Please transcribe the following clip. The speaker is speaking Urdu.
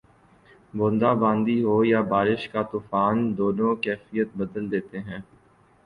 بوندا باندی ہو یا بارش کا طوفان، دونوں کیفیت بدل دیتے ہیں۔